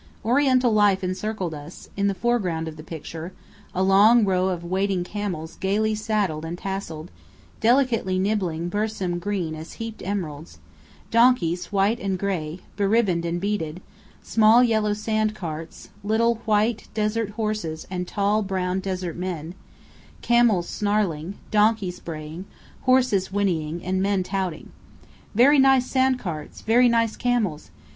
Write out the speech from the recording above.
Oriental life encircled us, in the foreground of the picture a long row of waiting camels gaily saddled and tasselled, delicately nibbling bersím green as heaped emeralds donkeys white and gray, beribboned and beaded small yellow sandcarts; little white, desert horses and tall brown, desert men; camels snarling, donkeys braying, horses whinnying, and men touting. "Very nice sandcarts very nice camels!